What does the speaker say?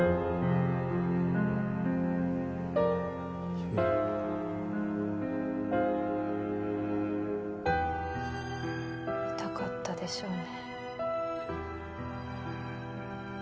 悠依痛かったでしょうね